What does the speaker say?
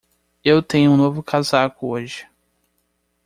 Eu tenho um novo casaco hoje.